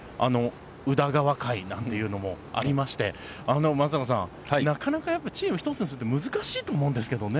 宇田川会なんていうのもありまして松坂さんなかなかチーム一つにするって難しいと思うんですけどね。